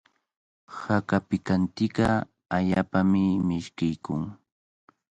Haka pikantiqa allaapami mishkiykun.